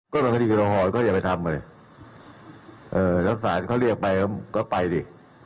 ก็เป็นคดีเวลาห่อยก็อย่าไปทำเลยเอ่อแล้วสารเขาเรียกไปก็ไปดิ